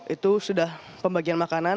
itu sudah pembagian makanan